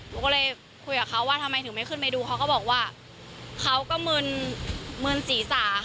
หนูก็เลยคุยกับเขาว่าทำไมถึงไม่ขึ้นไปดูเขาก็บอกว่าเขาก็มึนมืนศีรษะ